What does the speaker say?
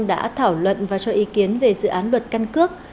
hội khóa một mươi năm đã thảo luận và cho ý kiến về dự án luật căn cước